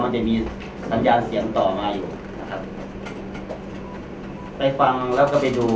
มันจะมีสัญญาณเสียงต่อมาอยู่นะครับไปฟังแล้วก็ไปดู